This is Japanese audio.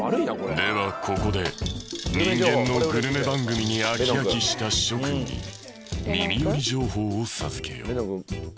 ではここで人間のグルメ番組に飽き飽きした諸君に耳寄り情報を授けよう。